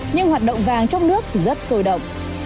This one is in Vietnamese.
nhưng hoạt động vàng trong nước rất sôi động